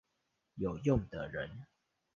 有用的人